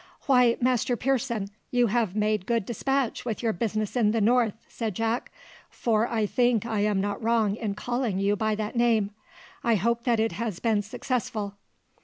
"Why, Master Pearson, you have made good despatch with your business in the north," said Jack; "for I think I am not wrong in calling you by that name. I hope that it has been successful."